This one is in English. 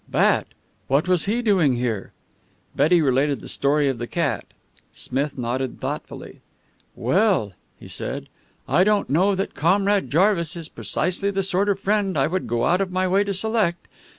"Bat! What was he doing here?" Betty related the story of the cat. Smith nodded thoughtfully. "Well," he said, "I don't know that Comrade Jarvis is precisely the sort of friend I would go out of my way to select.